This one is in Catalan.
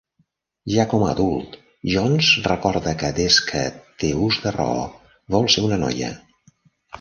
Ja com a adult, Jones recorda que des que té ús de raó vol ser una noia.